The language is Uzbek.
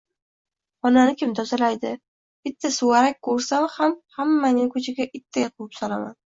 Xonani kim tozalaydi, bitta suvarak ko’rsam hammangni ko’chaga itday quvib solaman!”